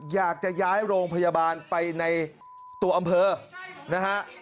อยากจะย้ายโรงพยาบาลไปในตัวอำเภอนะฮะ